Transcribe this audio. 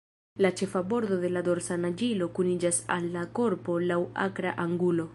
La ĉefa bordo de la dorsa naĝilo kuniĝas al la korpo laŭ akra angulo.